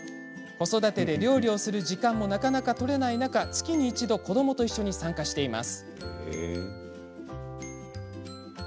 子育てで、料理をする時間もなかなか取れない中月に一度子どもと一緒に参加しています。